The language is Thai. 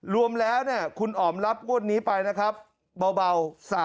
รวมแล้วคุณอ๋อมรับวดนี้ไปนะครับเบา๓๖๐๐๐ครับ